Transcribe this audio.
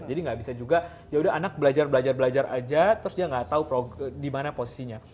nggak bisa juga yaudah anak belajar belajar belajar aja terus dia nggak tahu di mana posisinya